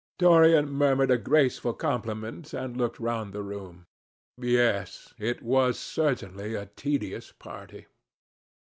Dorian murmured a graceful compliment and looked round the room. Yes: it was certainly a tedious party.